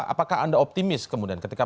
apakah anda optimis kemudian ketika